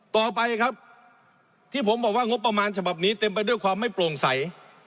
ต่อไปครับที่ผมบอกว่างบประมาณฉบับนี้เต็มไปด้วยความไม่โปร่งใส